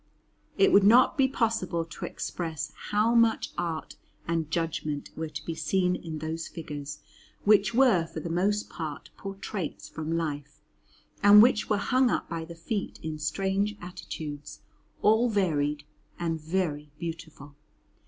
It would not be possible to express how much art and judgment were to be seen in those figures, which were for the most part portraits from life, and which were hung up by the feet in strange attitudes, all varied and very beautiful.